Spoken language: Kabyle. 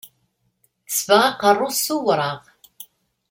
Tesbeɣ aqerru-s s uwraɣ.